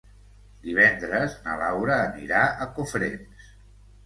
Divendres na Laura anirà a Cofrents.